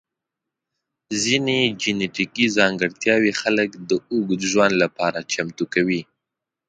ځینې جنیټیکي ځانګړتیاوې خلک د اوږد ژوند لپاره چمتو کوي.